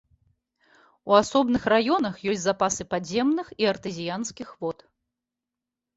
У асобных раёнах ёсць запасы падземных і артэзіянскіх вод.